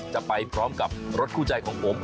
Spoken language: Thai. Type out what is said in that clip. จะไปพร้อมกับรถคู่ใจของผม